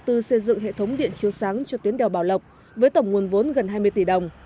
đầu tư xây dựng hệ thống điện chiếu sáng cho tuyến đèo bảo lộc với tổng nguồn vốn gần hai mươi tỷ đồng